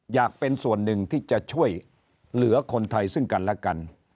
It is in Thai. อยากเป็นส่วนหนึ่งที่จะช่วยเหลือคนไทยซึ่งกันและกัน